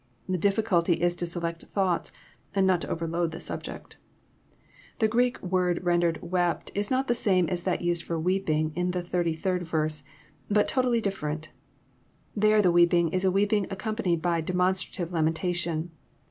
The difficulty is to select thoughts, and not to overload the subject. The Greek word rendered << wept " is not the same as that used for " weeping" in the thirty third verse, but totally differ ent. There the weeping is a weeping accompanied by demon fetrative lamentation.